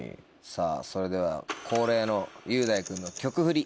さぁそれでは恒例の雄大君の曲フリ。